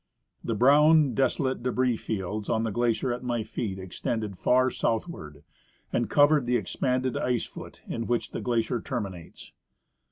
The broAvn, desolate debris fields on the glacier at my feet extended far southward, and covered the expanded ice foot in Avhich the glacier terminates.